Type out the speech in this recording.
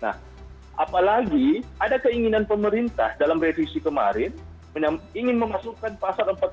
nah apalagi ada keinginan pemerintah dalam revisi kemarin ingin memasukkan pasal empat puluh